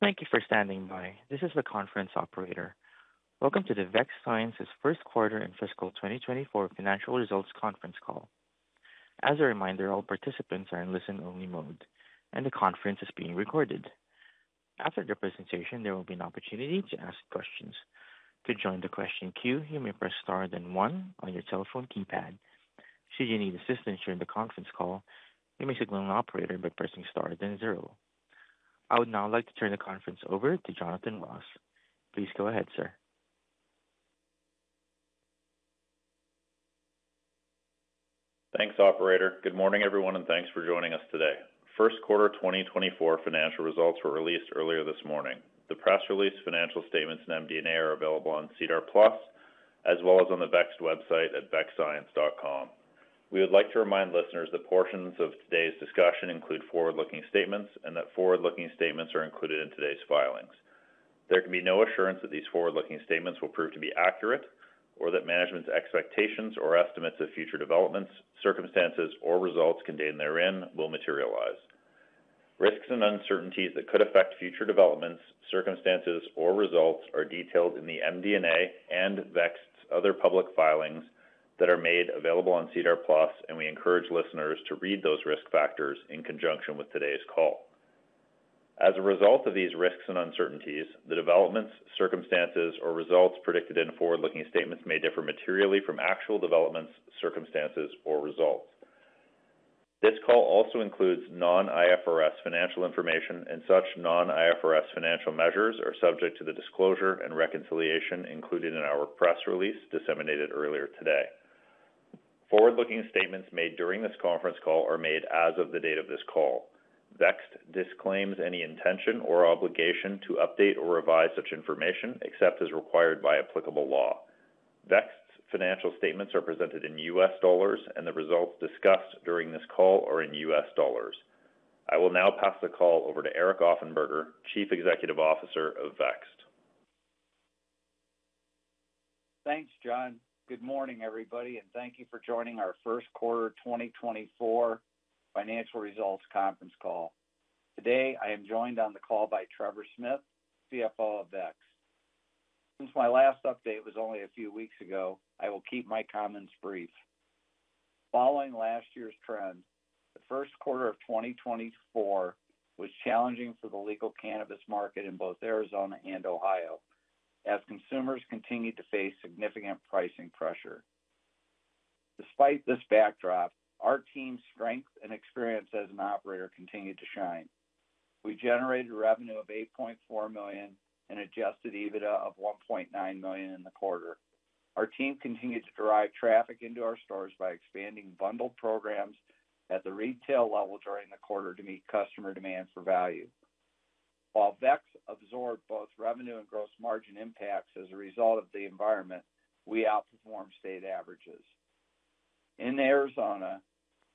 Thank you for standing by. This is the conference operator. Welcome to the Vext Science First Quarter and Fiscal 2024 Financial Results Conference Call. As a reminder, all participants are in listen-only mode, and the conference is being recorded. After the presentation, there will be an opportunity to ask questions. To join the question queue, you may press Star then one on your telephone keypad. Should you need assistance during the conference call, you may signal an operator by pressing Star then zero. I would now like to turn the conference over to Jonathan Moss. Please go ahead, sir. Thanks, operator. Good morning, everyone, and thanks for joining us today. First quarter 2024 financial results were released earlier this morning. The press release, financial statements, and MD&A are available on SEDAR+, as well as on the Vext website at vextscience.com. We would like to remind listeners that portions of today's discussion include forward-looking statements and that forward-looking statements are included in today's filings. There can be no assurance that these forward-looking statements will prove to be accurate or that management's expectations or estimates of future developments, circumstances, or results contained therein will materialize. Risks and uncertainties that could affect future developments, circumstances, or results are detailed in the MD&A and Vext's other public filings that are made available on SEDAR+, and we encourage listeners to read those risk factors in conjunction with today's call. As a result of these risks and uncertainties, the developments, circumstances, or results predicted in forward-looking statements may differ materially from actual developments, circumstances, or results. This call also includes non-IFRS financial information, and such non-IFRS financial measures are subject to the disclosure and reconciliation included in our press release disseminated earlier today. Forward-looking statements made during this conference call are made as of the date of this call. Vext disclaims any intention or obligation to update or revise such information, except as required by applicable law. Vext's financial statements are presented in U.S. dollars, and the results discussed during this call are in U.S. dollars. I will now pass the call over to Eric Offenberger, Chief Executive Officer of Vext. Thanks, John. Good morning, everybody, and thank you for joining our first quarter 2024 financial results conference call. Today, I am joined on the call by Trevor Smith, CFO of Vext. Since my last update was only a few weeks ago, I will keep my comments brief. Following last year's trend, the first quarter of 2024 was challenging for the legal cannabis market in both Arizona and Ohio, as consumers continued to face significant pricing pressure. Despite this backdrop, our team's strength and experience as an operator continued to shine. We generated revenue of $8.4 million and adjusted EBITDA of $1.9 million in the quarter. Our team continued to drive traffic into our stores by expanding bundle programs at the retail level during the quarter to meet customer demand for value. While Vext absorbed both revenue and gross margin impacts as a result of the environment, we outperformed state averages. In Arizona,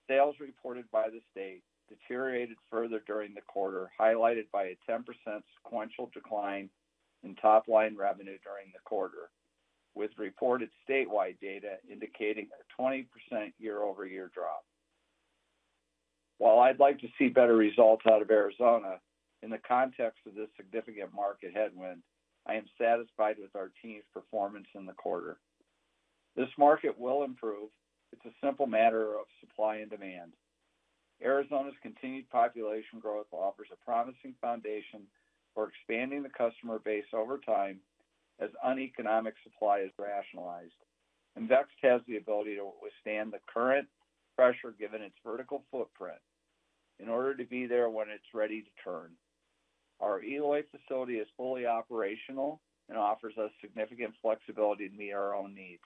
sales reported by the state deteriorated further during the quarter, highlighted by a 10% sequential decline in top-line revenue during the quarter, with reported statewide data indicating a 20% year-over-year drop. While I'd like to see better results out of Arizona, in the context of this significant market headwind, I am satisfied with our team's performance in the quarter. This market will improve. It's a simple matter of supply and demand. Arizona's continued population growth offers a promising foundation for expanding the customer base over time as uneconomic supply is rationalized, and Vext has the ability to withstand the current pressure given its vertical footprint in order to be there when it's ready to turn. Our Eloy facility is fully operational and offers us significant flexibility to meet our own needs,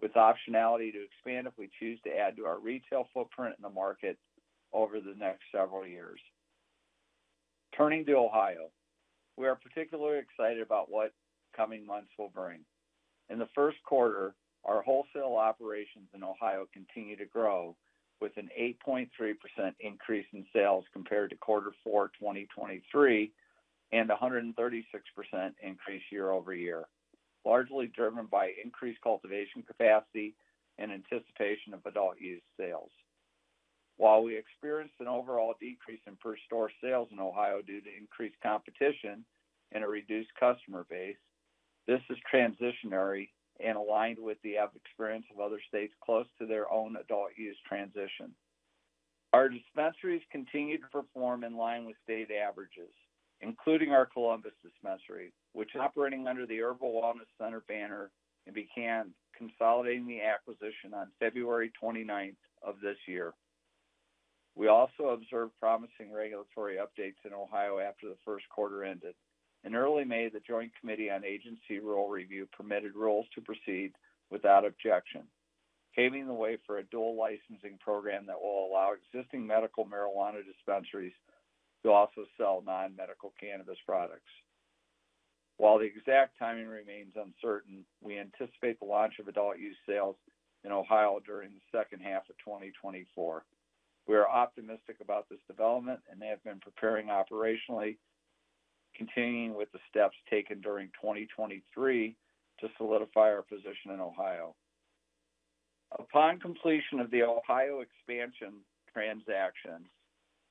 with optionality to expand if we choose to add to our retail footprint in the market over the next several years. Turning to Ohio, we are particularly excited about what coming months will bring. In the first quarter, our wholesale operations in Ohio continued to grow with an 8.3% increase in sales compared to quarter four 2023, and a 136% increase year-over-year, largely driven by increased cultivation capacity in anticipation of adult use sales. While we experienced an overall decrease in per store sales in Ohio due to increased competition and a reduced customer base, this is transitory and aligned with the experience of other states close to their own adult use transition. Our dispensaries continued to perform in line with state averages, including our Columbus dispensary, which is operating under the Herbal Wellness Center banner and began consolidating the acquisition on February 29th of this year. We also observed promising regulatory updates in Ohio after the first quarter ended. In early May, the Joint Committee on Agency Rule Review permitted rules to proceed without objection, paving the way for a dual licensing program that will allow existing medical marijuana dispensaries to also sell non-medical cannabis products. While the exact timing remains uncertain, we anticipate the launch of adult use sales in Ohio during the second half of 2024. We are optimistic about this development and have been preparing operationally, continuing with the steps taken during 2023 to solidify our position in Ohio. Upon completion of the Ohio expansion transaction,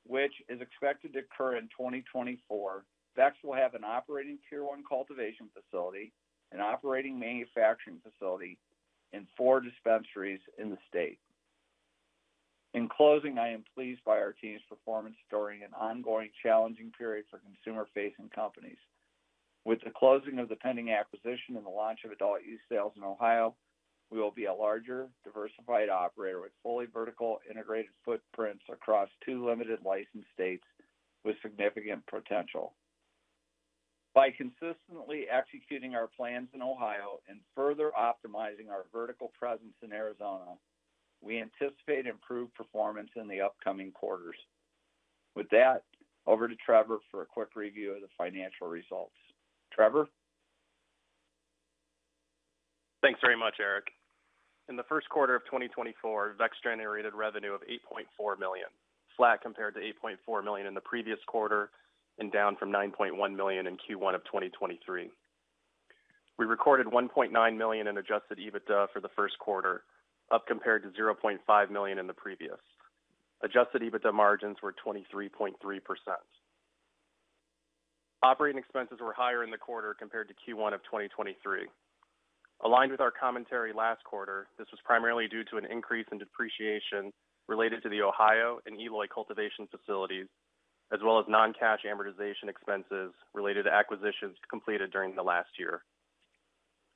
which is expected to occur in 2024, Vext will have an operating Tier One cultivation facility, an operating manufacturing facility, and 4 dispensaries in the state. In closing, I am pleased by our team's performance during an ongoing challenging period for consumer-facing companies. With the closing of the pending acquisition and the launch of Adult Use sales in Ohio, we will be a larger, diversified operator with fully vertical integrated footprints across two limited licensed states with significant potential. By consistently executing our plans in Ohio and further optimizing our vertical presence in Arizona, we anticipate improved performance in the upcoming quarters. With that, over to Trevor for a quick review of the financial results. Trevor? Thanks very much, Eric. In the first quarter of 2024, Vext generated revenue of $8.4 million, flat compared to $8.4 million in the previous quarter and down from $9.1 million in Q1 of 2023. We recorded $1.9 million in Adjusted EBITDA for the first quarter, up compared to $0.5 million in the previous. Adjusted EBITDA margins were 23.3%. Operating expenses were higher in the quarter compared to Q1 of 2023. Aligned with our commentary last quarter, this was primarily due to an increase in depreciation related to the Ohio and Eloy cultivation facilities, as well as non-cash amortization expenses related to acquisitions completed during the last year.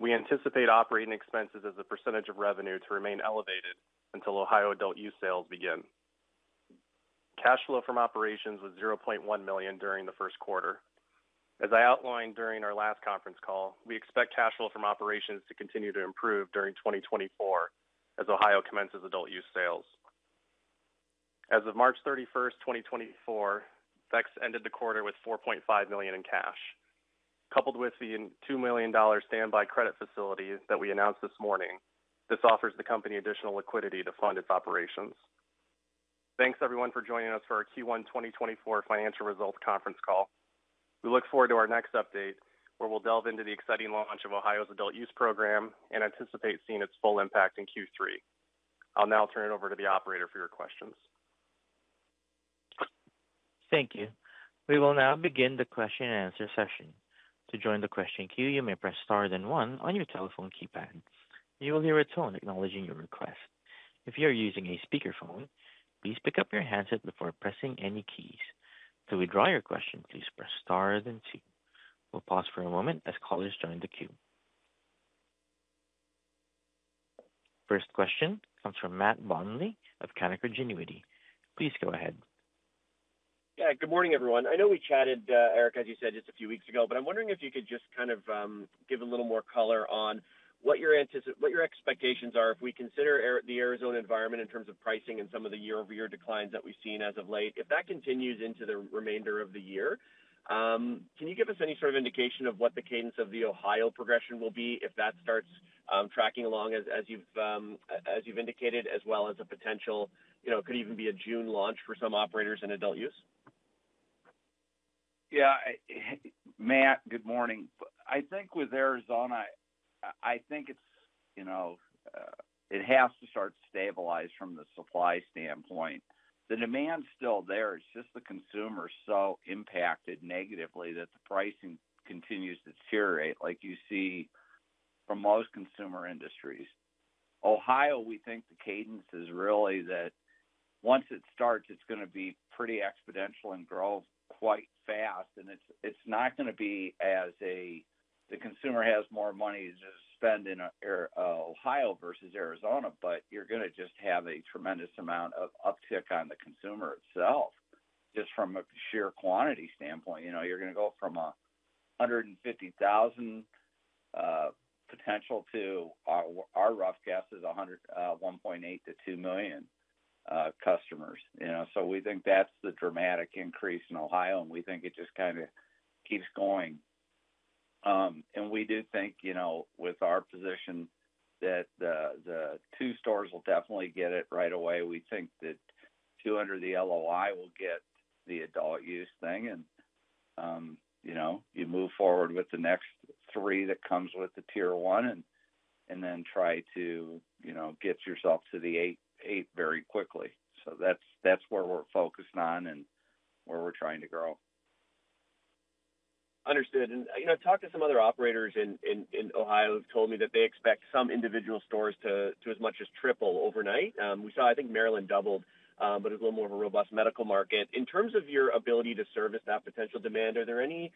We anticipate operating expenses as a percentage of revenue to remain elevated until Ohio Adult Use sales begin. Cash flow from operations was $0.1 million during the first quarter. As I outlined during our last conference call, we expect cash flow from operations to continue to improve during 2024 as Ohio commences Adult Use sales. As of March 31st, 2024, Vext ended the quarter with $4.5 million in cash. Coupled with the $2 million standby credit facility that we announced this morning, this offers the company additional liquidity to fund its operations. Thanks, everyone, for joining us for our Q1 2024 financial results conference call. We look forward to our next update, where we'll delve into the exciting launch of Ohio's Adult Use program and anticipate seeing its full impact in Q3. I'll now turn it over to the operator for your questions. Thank you. We will now begin the question and answer session. To join the question queue, you may press Star, then one on your telephone keypad. You will hear a tone acknowledging your request. If you are using a speakerphone, please pick up your handset before pressing any keys. To withdraw your question, please press Star, then two. We'll pause for a moment as callers join the queue. First question comes from Matt Bottomley of Canaccord Genuity. Please go ahead. Yeah, good morning, everyone. I know we chatted, Eric, as you said, just a few weeks ago, but I'm wondering if you could just kind of give a little more color on what your expectations are if we consider the Arizona environment in terms of pricing and some of the year-over-year declines that we've seen as of late? If that continues into the remainder of the year, can you give us any sort of indication of what the cadence of the Ohio progression will be if that starts tracking along as you've indicated, as well as a potential, you know, could even be a June launch for some operators in adult use? Yeah, Matt, good morning. I think with Arizona, I think it's, you know, it has to start to stabilize from the supply standpoint. The demand is still there. It's just the consumer is so impacted negatively that the pricing continues to deteriorate, like you see from most consumer industries. Ohio, we think the cadence is really that once it starts, it's going to be pretty exponential and grow quite fast, and it's not going to be as a, the consumer has more money to spend in, Ohio versus Arizona, but you're going to just have a tremendous amount of uptick on the consumer itself, just from a sheer quantity standpoint. You know, you're going to go from 150,000 potential to our rough guess is 1.8-2 million customers. You know, so we think that's the dramatic increase in Ohio, and we think it just kind of keeps going. And we do think, you know, with our position, that the 2 stores will definitely get it right away. We think that 2 under the LOI will get the Adult Use thing and, you know, you move forward with the next 3 that comes with the Tier One and then try to, you know, get yourself to the 8, 8 very quickly. So that's where we're focused on and where we're trying to grow. Understood. And, you know, I talked to some other operators in Ohio, who told me that they expect some individual stores to as much as triple overnight. We saw, I think Maryland doubled, but it's a little more of a robust medical market. In terms of your ability to service that potential demand, are there any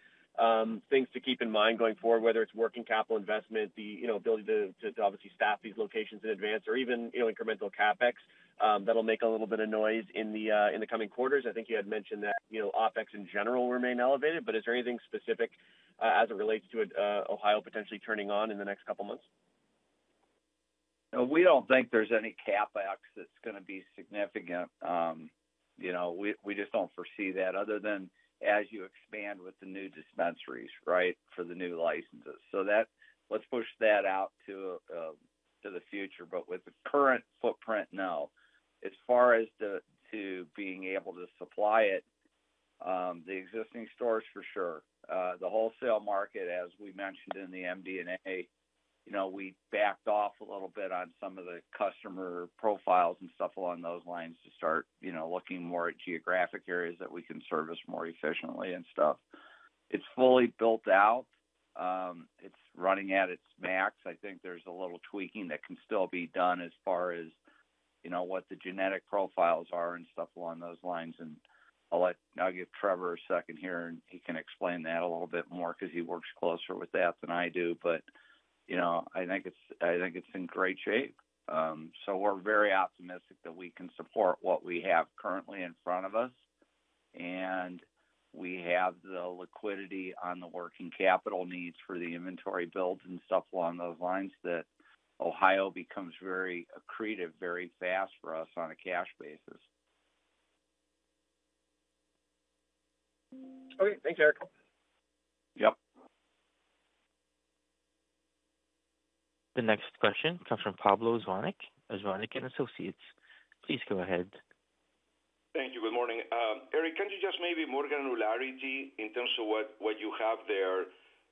things to keep in mind going forward, whether it's working capital investment, the, you know, ability to obviously staff these locations in advance or even, you know, incremental CapEx, that'll make a little bit of noise in the coming quarters? I think you had mentioned that, you know, OpEx, in general, remain elevated, but is there anything specific as it relates to Ohio potentially turning on in the next couple of months? We don't think there's any CapEx that's going to be significant. You know, we just don't foresee that other than as you expand with the new dispensaries, right, for the new licenses. So that—let's push that out to the future. But with the current footprint, no. As far as being able to supply it. The existing stores, for sure. The wholesale market, as we mentioned in the MD&A, you know, we backed off a little bit on some of the customer profiles and stuff along those lines to start, you know, looking more at geographic areas that we can service more efficiently and stuff. It's fully built out. It's running at its max. I think there's a little tweaking that can still be done as far as, you know, what the genetic profiles are and stuff along those lines. I'll give Trevor a second here, and he can explain that a little bit more because he works closer with that than I do. But, you know, I think it's in great shape. So we're very optimistic that we can support what we have currently in front of us, and we have the liquidity on the working capital needs for the inventory builds and stuff along those lines, that Ohio becomes very accretive, very fast for us on a cash basis. Okay, thanks, Eric. Yep. The next question comes from Pablo Zuanic, Zuanic & Associates. Please go ahead. Thank you. Good morning. Eric, can you just maybe more clarity in terms of what you have there?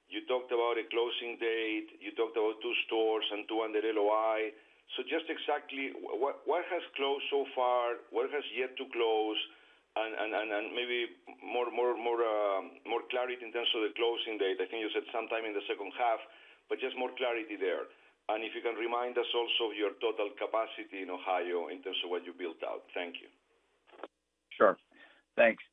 You talked about a closing date. You talked about two stores and two under LOI. So just exactly what has closed so far, what has yet to close, and maybe more clarity in terms of the closing date. I think you said sometime in the second half, but just more clarity there. And if you can remind us also your total capacity in Ohio in terms of what you built out. Thank you. Sure. Thanks.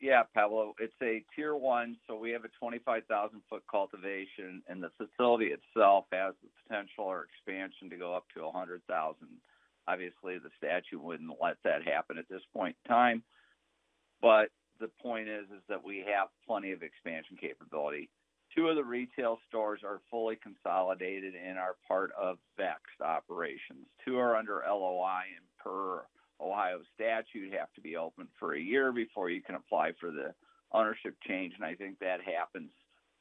Yeah, Pablo, it's a Tier One, so we have a 25,000 sq ft cultivation, and the facility itself has the potential for expansion to go up to 100,000 sq ft. Obviously, the statute wouldn't let that happen at this point in time, but the point is, is that we have plenty of expansion capability. Two of the retail stores are fully consolidated and are part of Vext's operations. Two are under LOI, and per Ohio statute, have to be open for a year before you can apply for the ownership change, and I think that happens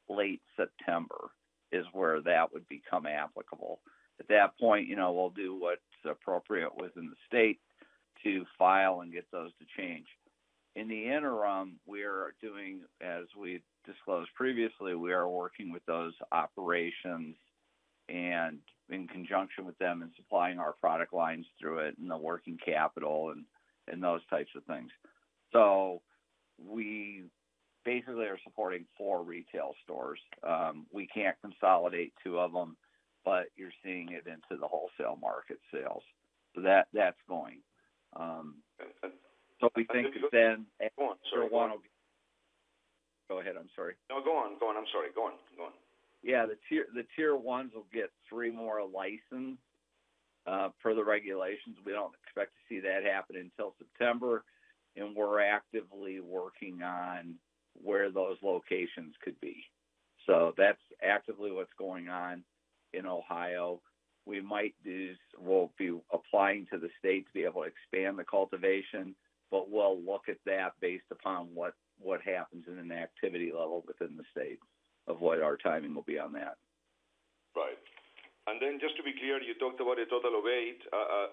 late September, is where that would become applicable. At that point, you know, we'll do what's appropriate within the state to file and get those to change. In the interim, we're doing, as we disclosed previously, we are working with those operations and in conjunction with them in supplying our product lines through it and the working capital and, and those types of things. So we basically are supporting four retail stores. We can't consolidate two of them, but you're seeing it into the wholesale market sales. So that, that's going. So we think then- Go on. Go ahead. I'm sorry. No, go on. Go on. I'm sorry. Go on, go on. Yeah, the Tier Ones will get three more licenses per the regulations. We don't expect to see that happen until September, and we're actively working on where those locations could be. So that's actively what's going on in Ohio. We might do... We'll be applying to the state to be able to expand the cultivation, but we'll look at that based upon what happens in an activity level within the state of what our timing will be on that. Right. And then just to be clear, you talked about a total of eight.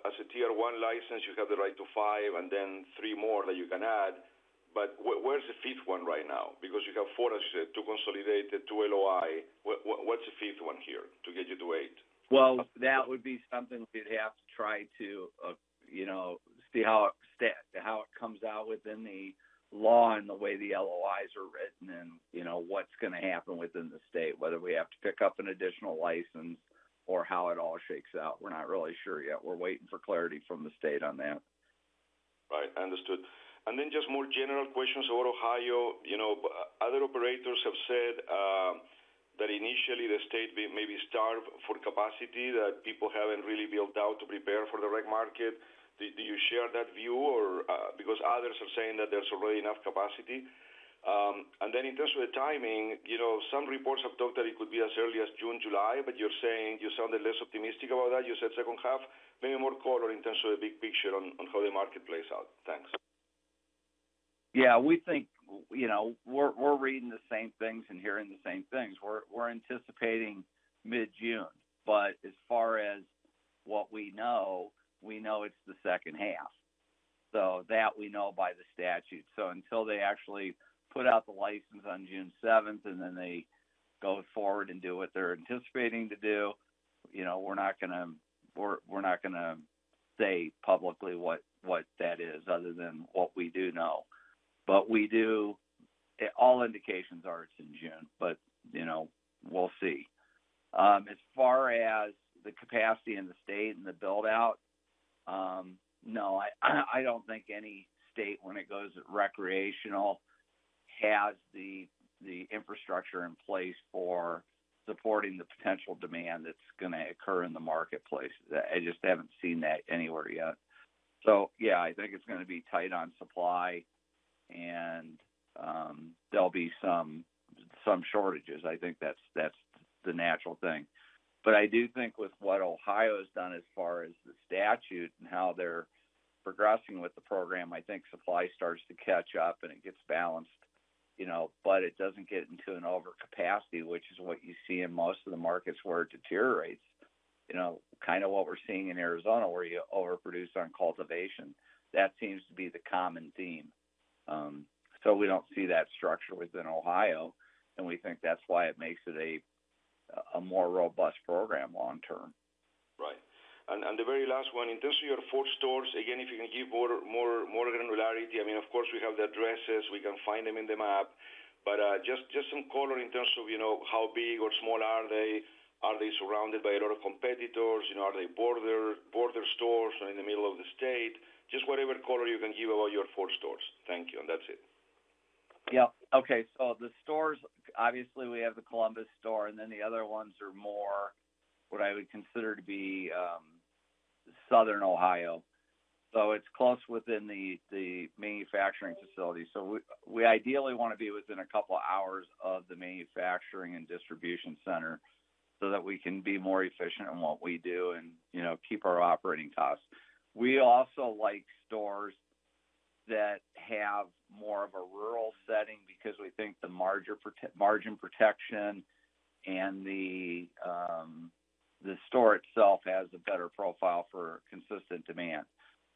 As a Tier One license, you have the right to five and then three more that you can add, but where is the fifth one right now? Because you have four, as you said, two consolidated, two LOI. What’s the fifth one here to get you to eight? Well, that would be something we'd have to try to, you know, see how it set, how it comes out within the law and the way the LOIs are written and, you know, what's gonna happen within the state, whether we have to pick up an additional license or how it all shakes out. We're not really sure yet. We're waiting for clarity from the state on that. Right. Understood. And then just more general questions about Ohio. You know, other operators have said that initially the state may be starved for capacity, that people haven't really built out to prepare for the rec market. Do you share that view, or because others are saying that there's already enough capacity? And then in terms of the timing, you know, some reports have talked that it could be as early as June, July, but you're saying you sounded less optimistic about that. You said second half. Maybe more color in terms of the big picture on how the market plays out. Thanks. Yeah, we think, you know, we're reading the same things and hearing the same things. We're anticipating mid-June, but as far as what we know, we know it's the second half. So that we know by the statute. So until they actually put out the license on June seventh, and then they go forward and do what they're anticipating to do, you know, we're not gonna say publicly what that is other than what we do know. But we do... All indications are it's in June, but, you know, we'll see. As far as the capacity in the state and the build-out, no, I don't think any state, when it goes recreational, has the infrastructure in place for supporting the potential demand that's gonna occur in the marketplace. I just haven't seen that anywhere yet. So yeah, I think it's gonna be tight on supply, and there'll be some shortages. I think that's the natural thing. But I do think with what Ohio has done as far as the statute and how they're progressing with the program, I think supply starts to catch up and it gets balanced. You know, but it doesn't get into an overcapacity, which is what you see in most of the markets where it deteriorates. You know, kind of what we're seeing in Arizona, where you overproduce on cultivation. That seems to be the common theme. So we don't see that structure within Ohio, and we think that's why it makes it a more robust program long term. Right. And the very last one, in terms of your four stores, again, if you can give more granularity, I mean, of course, we have the addresses, we can find them in the map, but just some color in terms of, you know, how big or small are they? Are they surrounded by a lot of competitors? You know, are they border stores or in the middle of the state? Just whatever color you can give about your four stores. Thank you, and that's it. Yeah. Okay. So the stores, obviously, we have the Columbus store, and then the other ones are more what I would consider to be southern Ohio. So it's close within the manufacturing facility. So we ideally want to be within a couple of hours of the manufacturing and distribution center so that we can be more efficient in what we do and, you know, keep our operating costs. We also like stores that have more of a rural setting because we think the margin protection and the store itself has a better profile for consistent demand.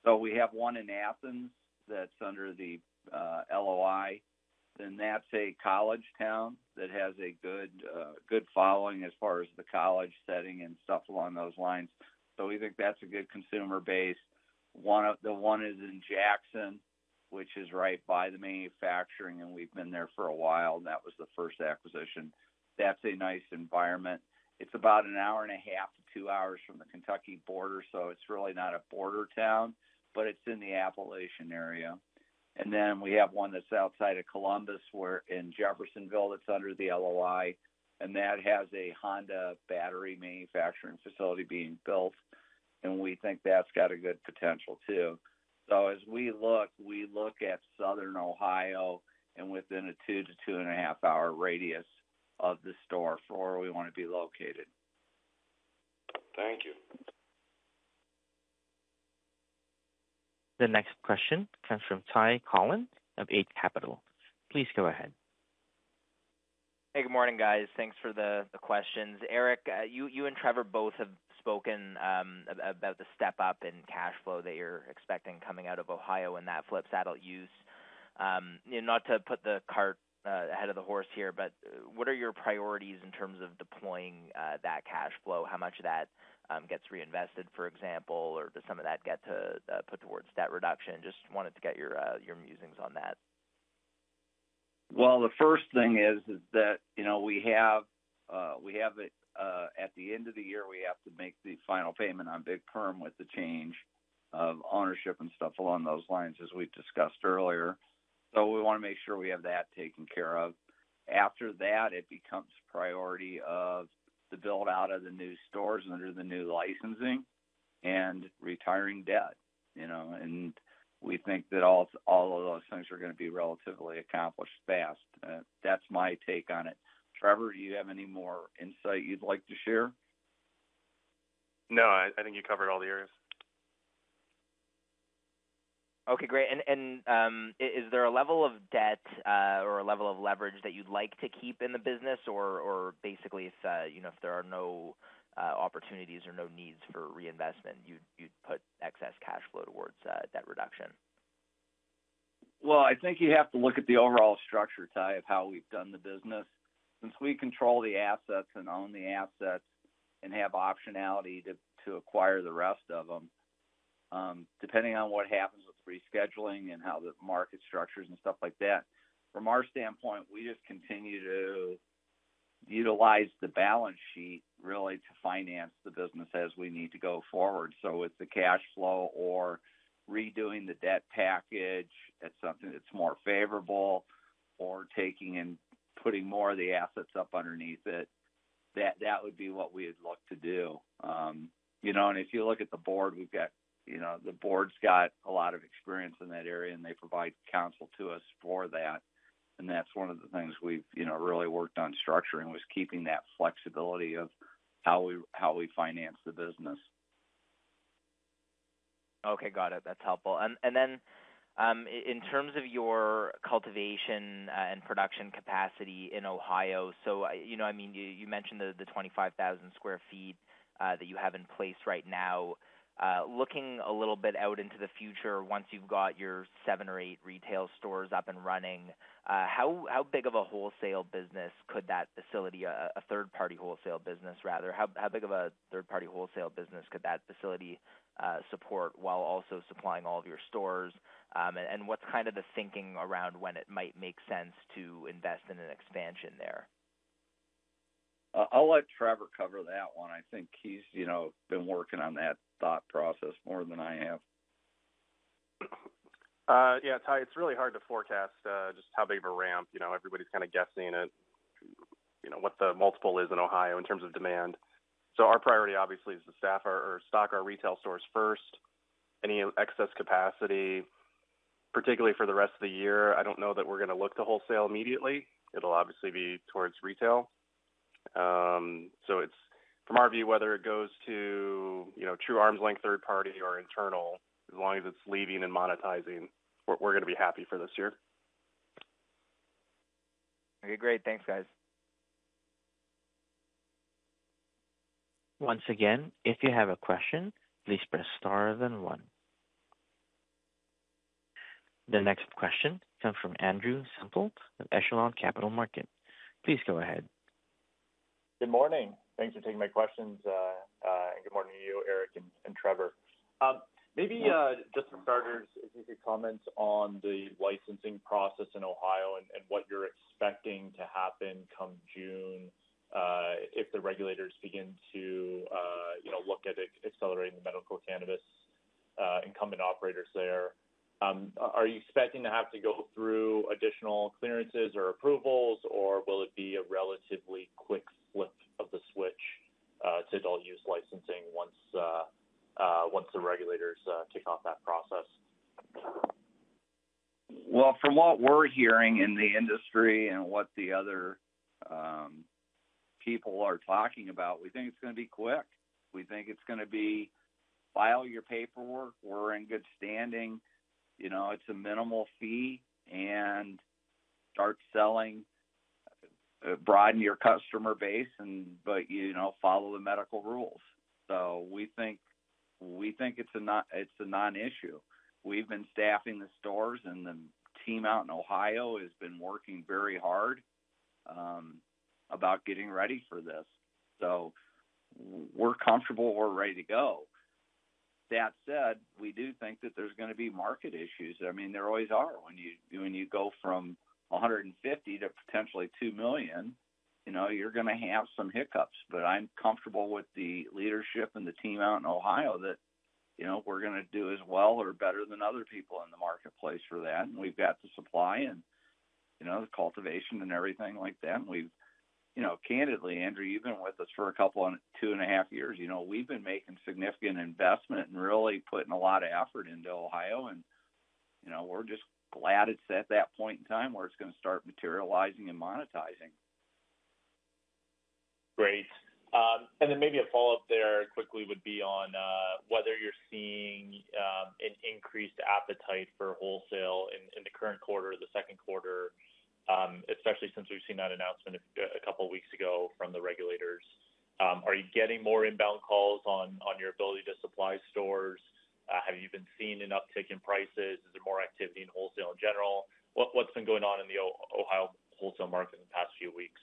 So we have one in Athens that's under the LOI, and that's a college town that has a good following as far as the college setting and stuff along those lines. So we think that's a good consumer base. One is in Jackson, which is right by the manufacturing, and we've been there for a while, and that was the first acquisition. That's a nice environment. It's about 1.5 hours-2 hours from the Kentucky border, so it's really not a border town, but it's in the Appalachian area. And then we have one that's outside of Columbus, where in Jeffersonville, it's under the LOI, and that has a Honda battery manufacturing facility being built, and we think that's got a good potential, too. So as we look, we look at Southern Ohio and within a 2 hours-2.5 hours radius of the store for where we want to be located. Thank you. The next question comes from Ty Collin of Eight Capital. Please go ahead. Hey, good morning, guys. Thanks for the questions. Eric, you and Trevor both have spoken about the step up in cash flow that you're expecting coming out of Ohio and that adult-use. Not to put the cart ahead of the horse here, but what are your priorities in terms of deploying that cash flow? How much of that gets reinvested, for example, or does some of that get to put towards debt reduction? Just wanted to get your musings on that. Well, the first thing is, is that, you know, we have, we have it, at the end of the year, we have to make the final payment on Big Perm with the change of ownership and stuff along those lines, as we've discussed earlier. So we want to make sure we have that taken care of. After that, it becomes priority of the build-out of the new stores under the new licensing and retiring debt, you know, and we think that all, all of those things are going to be relatively accomplished fast. That's my take on it. Trevor, do you have any more insight you'd like to share? No, I think you covered all the areas. Okay, great. And is there a level of debt or a level of leverage that you'd like to keep in the business? Or basically, if you know, if there are no opportunities or no needs for reinvestment, you'd put excess cash flow towards debt reduction. Well, I think you have to look at the overall structure, Ty, of how we've done the business. Since we control the assets and own the assets and have optionality to acquire the rest of them, depending on what happens with rescheduling and how the market structures and stuff like that, from our standpoint, we just continue to utilize the balance sheet really to finance the business as we need to go forward. So with the cash flow or redoing the debt package, that's something that's more favorable or taking and putting more of the assets up underneath it, that would be what we would look to do. You know, and if you look at the board, we've got, you know, the board's got a lot of experience in that area, and they provide counsel to us for that. That's one of the things we've, you know, really worked on structuring, was keeping that flexibility of how we, how we finance the business. Okay, got it. That's helpful. And then, in terms of your cultivation and production capacity in Ohio, you know, I mean, you mentioned the 25,000 sq ft that you have in place right now. Looking a little bit out into the future, once you've got your 7 or 8 retail stores up and running, how big of a wholesale business could that facility, a third-party wholesale business, rather, how big of a third-party wholesale business could that facility support while also supplying all of your stores? And what's kind of the thinking around when it might make sense to invest in an expansion there? I'll let Trevor cover that one. I think he's, you know, been working on that thought process more than I have. Yeah, Ty, it's really hard to forecast just how big of a ramp, you know, everybody's kind of guessing at, you know, what the multiple is in Ohio in terms of demand. So our priority, obviously, is to staff our or stock our retail stores first. Any excess capacity, particularly for the rest of the year, I don't know that we're going to look to wholesale immediately. It'll obviously be towards retail.... so it's from our view, whether it goes to, you know, true arm's-length third party or internal, as long as it's leading and monetizing, we're, we're gonna be happy for this year. Okay, great. Thanks, guys. Once again, if you have a question, please press Star, then One. The next question comes from Andrew Semple of Echelon Capital Markets. Please go ahead. Good morning. Thanks for taking my questions. And good morning to you, Eric and Trevor. Maybe, just for starters, if you could comment on the licensing process in Ohio and what you're expecting to happen come June, if the regulators begin to, you know, look at accelerating the medical cannabis incumbent operators there. Are you expecting to have to go through additional clearances or approvals, or will it be a relatively quick flip of the switch to adult use licensing once the regulators kick off that process? Well, from what we're hearing in the industry and what the other people are talking about, we think it's gonna be quick. We think it's gonna be, file your paperwork. We're in good standing. You know, it's a minimal fee, and start selling, broaden your customer base and, but, you know, follow the medical rules. So we think, we think it's a non-issue. We've been staffing the stores, and the team out in Ohio has been working very hard about getting ready for this. So we're comfortable, we're ready to go. That said, we do think that there's gonna be market issues. I mean, there always are. When you, when you go from 150 to potentially 2 million, you know, you're gonna have some hiccups. But I'm comfortable with the leadership and the team out in Ohio that, you know, we're gonna do as well or better than other people in the marketplace for that. And we've got the supply and, you know, the cultivation and everything like that. And we've, you know, candidly, Andrew, you've been with us for a couple on, two and a half years. You know, we've been making significant investment and really putting a lot of effort into Ohio and, you know, we're just glad it's at that point in time where it's gonna start materializing and monetizing. Great. And then maybe a follow-up there quickly would be on whether you're seeing an increased appetite for wholesale in the current quarter, the second quarter, especially since we've seen that announcement a couple of weeks ago from the regulators. Are you getting more inbound calls on your ability to supply stores? Have you been seeing an uptick in prices? Is there more activity in wholesale in general? What's been going on in the Ohio wholesale market in the past few weeks?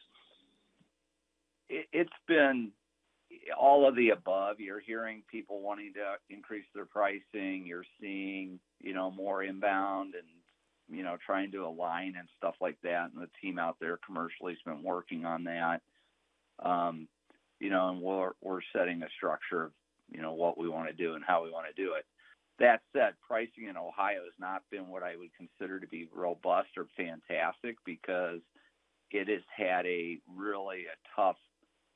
It's been all of the above. You're hearing people wanting to increase their pricing. You're seeing, you know, more inbound and, you know, trying to align and stuff like that, and the team out there commercially has been working on that. You know, and we're, we're setting a structure, you know, what we wanna do and how we wanna do it. That said, pricing in Ohio has not been what I would consider to be robust or fantastic because it has had a really a tough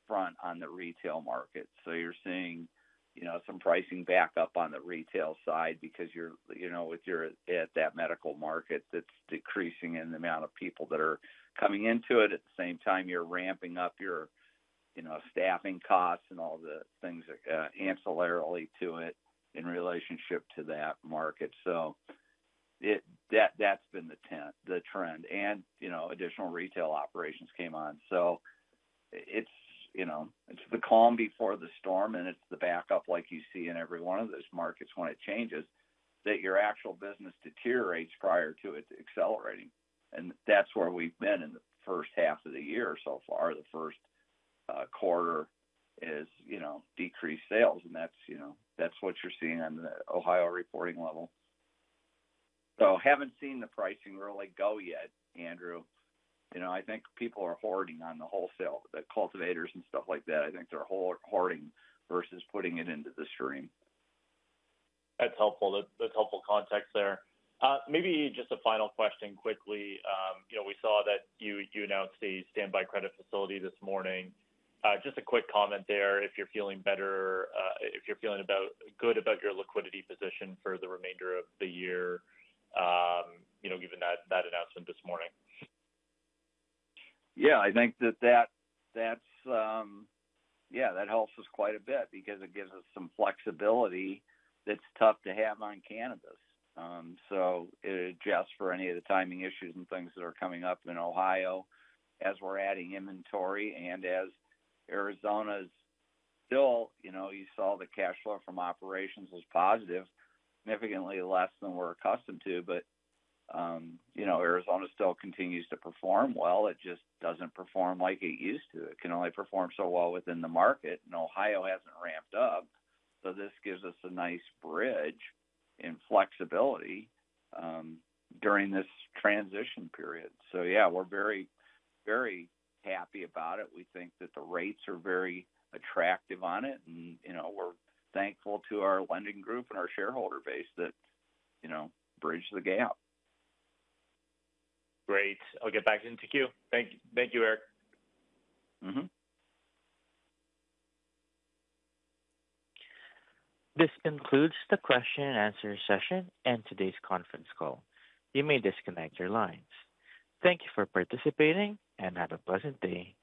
front on the retail market. So you're seeing, you know, some pricing back up on the retail side because you're, you know, if you're at that medical market, that's decreasing in the amount of people that are coming into it. At the same time, you're ramping up your, you know, staffing costs and all the things ancillarily to it in relationship to that market. So it, that, that's been the trend, and, you know, additional retail operations came on. So it's, you know, it's the calm before the storm, and it's the backup like you see in every one of those markets when it changes, that your actual business deteriorates prior to it accelerating. And that's where we've been in the first half of the year so far. The first quarter is, you know, decreased sales, and that's, you know, that's what you're seeing on the Ohio reporting level. So haven't seen the pricing really go yet, Andrew. You know, I think people are hoarding on the wholesale, the cultivators and stuff like that. I think they're hoarding versus putting it into the stream. That's helpful. That, that's helpful context there. Maybe just a final question quickly. You know, we saw that you, you announced a Standby Credit Facility this morning. Just a quick comment there, if you're feeling better, if you're feeling good about your liquidity position for the remainder of the year, you know, given that, that announcement this morning. Yeah, I think that's, yeah, that helps us quite a bit because it gives us some flexibility that's tough to have on cannabis. So, just for any of the timing issues and things that are coming up in Ohio as we're adding inventory and as Arizona's still, you know, you saw the cash flow from operations was positive, significantly less than we're accustomed to. But, you know, Arizona still continues to perform well. It just doesn't perform like it used to. It can only perform so well within the market, and Ohio hasn't ramped up, so this gives us a nice bridge in flexibility during this transition period. So yeah, we're very, very happy about it. We think that the rates are very attractive on it, and, you know, we're thankful to our lending group and our shareholder base that, you know, bridged the gap. Great. I'll get back into queue. Thank you, Eric. Mm-hmm. This concludes the question and answer session and today's conference call. You may disconnect your lines. Thank you for participating, and have a pleasant day.